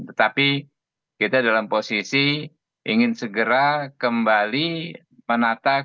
tetapi kita dalam posisi ingin segera kembali menatap